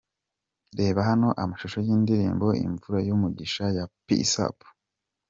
Reba hano amashusho y'indirimbo 'Imvura y'umugisha ya Peace Up.